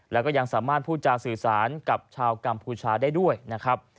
แล้วก็ยังสามารถพูดจาสื่อสารกับชาวกัมพูชาได้ด้วยนะครับ